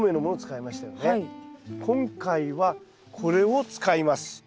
今回はこれを使います。